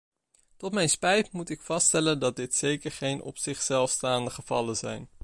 Tot mijn spijt moet ik vaststellen dat dit zeker geen opzichzelfstaande gevallen zijn.